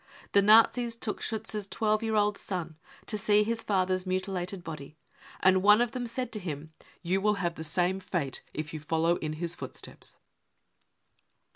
The Nazis took Schiitz's twelve year old son to see his father's mutilated body, and one of them said to him :" You will have^the same fate if you follow in his footsteps."